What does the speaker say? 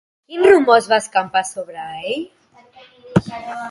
Quin rumor es va escampar sobre ell?